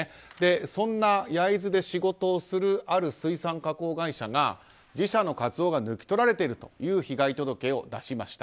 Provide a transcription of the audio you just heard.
そんな焼津で仕事をするある水産加工会社が自社のカツオが抜き取られているという被害届を出しました。